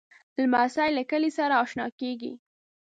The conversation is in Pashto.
لمسی له کلي سره اشنا کېږي.